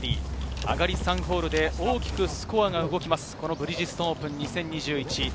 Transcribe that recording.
上がり３ホールで大きくスコアが動きます、ブリヂストンオープン２０２１。